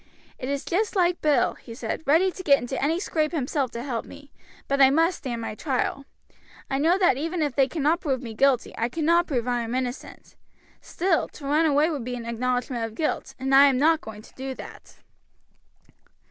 "It is just like Bill," he said, "ready to get into any scrape himself to help me: but I must stand my trial. I know that even if they cannot prove me guilty I cannot prove I am innocent; still, to run away would be an acknowledgment of guilt, and I am not going to do that."